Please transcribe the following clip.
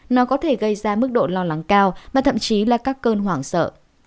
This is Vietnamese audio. nó có thể gây ra mức độ lo lắng cao mà thậm chí là các cơn hoảng sợ